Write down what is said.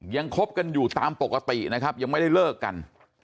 คบกันอยู่ตามปกตินะครับยังไม่ได้เลิกกัน